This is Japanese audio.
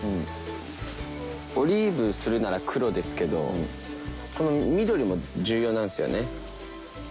オリーブするなら黒ですけどこの緑も重要なんですよね？